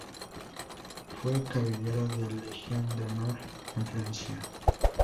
Fue caballero de la Legión de Honor en Francia.